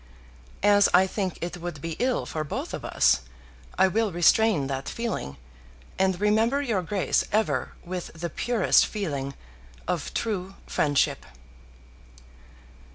As I think it would be ill for both of us, I will restrain that feeling, and remember your Grace ever with the purest feeling of true friendship.